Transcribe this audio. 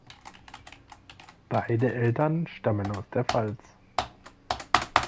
Beide Eltern stammen aus der Pfalz.